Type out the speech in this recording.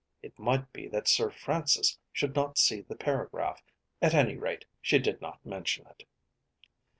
It might be that Sir Francis should not see the paragraph. At any rate she did not mention it.